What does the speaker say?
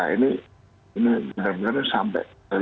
ini benar benar sampai